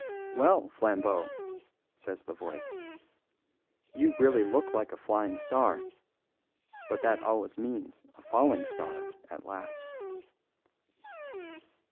"Well, Flambeau," says the voice, "you really look like a Flying Star; but that always means a Falling Star at last."